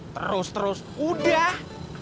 terus terus udah